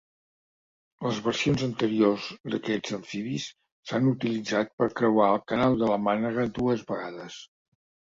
Les versions anteriors d'aquests amfibis s'han utilitzat per creuar el Canal de la Mànega dues vegades.